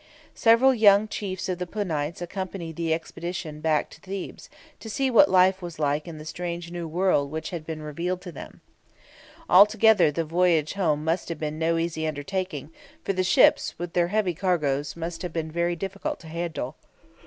Several young chiefs of the Punites accompanied the expedition back to Thebes, to see what life was like in the strange new world which had been revealed to them. Altogether the voyage home must have been no easy undertaking, for the ships, with their heavy cargoes, must have been very difficult to handle.